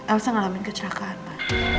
elsa ngalamin kecelakaan ma